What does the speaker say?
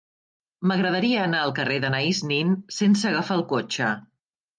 M'agradaria anar al carrer d'Anaïs Nin sense agafar el cotxe.